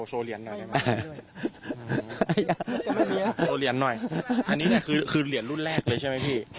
อันนี้เนี่ยคือเหรียญรุ่นแรกเลยใช่ไหมพี่